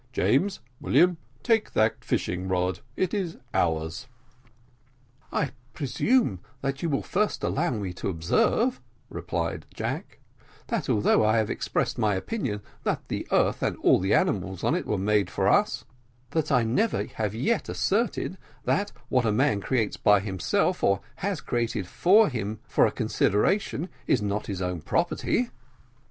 James, William, take that fishing rod it is ours." "I presume you will first allow me to observe," replied Jack, "that although I have expressed my opinion that the earth and the animals on it were made for us all, that I never yet have asserted that what a man creates by himself, or has created for him for a consideration, is not his own property."